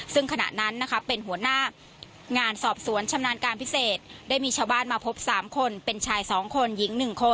ซึ่งขณะนั้นนะคะเป็นหัวหน้างานสอบสวนชำนาญการพิเศษได้มีชาวบ้านมาพบ๓คนเป็นชาย๒คนหญิง๑คน